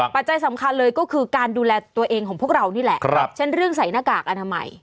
ปัจจัยสำคัญเลยก็คือการดูแลตัวเองของพวกเรานี่แหละเช่นเรื่องใส่หน้ากากอนามัย